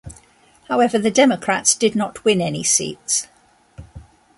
However, the Democrats did not win any seats.